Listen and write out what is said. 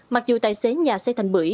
mặc dù tài xế nhà xe thành bưởi